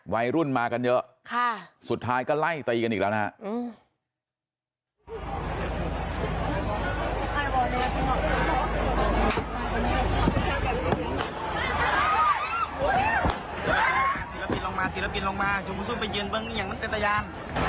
วัยรุ่นมากันเยอะสุดท้ายก็ไล่ตีกันอีกแล้วนะฮะ